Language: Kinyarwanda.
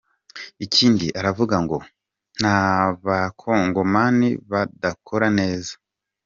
Ikindi aravuga ngo n’Abakongomani badakora neza, yarangiza akavugamo n’Abanyarwanda.